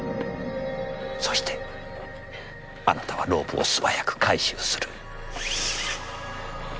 そしてあなたはロープを素早く回収する。